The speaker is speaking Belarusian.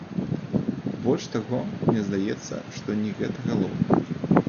Больш таго, мне здаецца, што не гэта галоўнае.